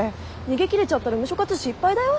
逃げ切れちゃったらムショ活失敗だよ。